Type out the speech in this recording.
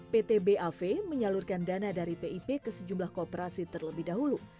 pt bav menyalurkan dana dari pip ke sejumlah kooperasi terlebih dahulu